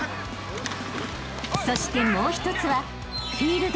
［そしてもう一つは］